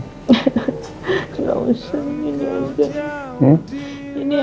nggak usah ini aja